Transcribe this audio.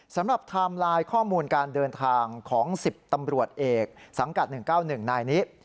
ไทม์ไลน์ข้อมูลการเดินทางของ๑๐ตำรวจเอกสังกัด๑๙๑นายนี้